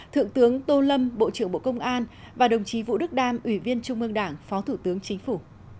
thượng tướng tô lâm bộ trưởng bộ công an và đồng chí vũ đức đam ủy viên trung ương đảng phó thủ tướng chính phủ